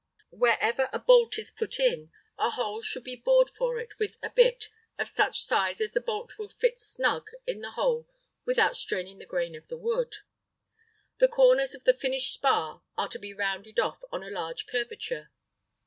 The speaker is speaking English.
] Wherever a bolt is put in, a hole should be bored for it with a bit of such size that the bolt will fit snug in the hole without straining the grain of the wood. The corners of the finished spar are to be rounded off on a large curvature.